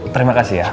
terima kasih ya